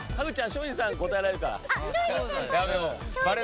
松陰寺さん答えられるから。